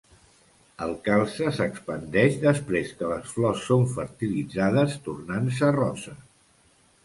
El calze s'expandeix després que les flors són fertilitzades, tornant-se rosa.